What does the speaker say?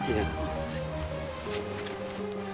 iya terima kasih